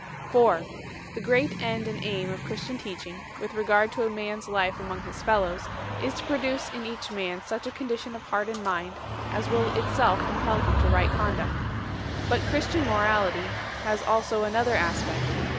4. The great end and aim of Christian teaching, with regard to man s life among his fellows, is to produce in each man such a condition of heart and mind as will of itself impel him to right conduct. But Christian morality has also another aspect.